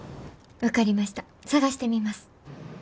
分かりました探してみます。